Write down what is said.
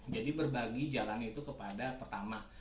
berbagi jalan itu kepada pertama